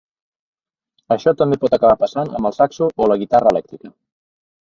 Això també pot acabar passant amb el saxo o la guitarra elèctrica.